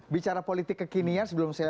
bicara politik kekinian sebelum saya